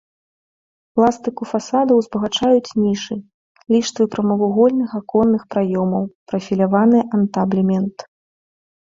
Пластыку фасадаў узбагачаюць нішы, ліштвы прамавугольных аконных праёмаў, прафіляваны антаблемент.